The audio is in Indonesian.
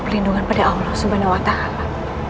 perlindungan pada allah subhanahu wa ta'ala